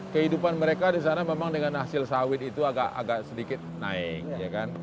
kehidupan mereka di sana memang dengan hasil sawit itu agak sedikit naik ya kan